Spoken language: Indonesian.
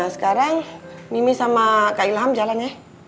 sekarang mimi sama kak ilham jalan ya